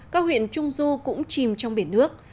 các huyện trung du cũng chìm trong biển nước